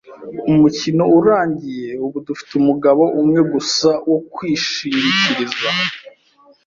umukino urangiye. Ubu, dufite umugabo umwe gusa wo kwishingikiriza. ”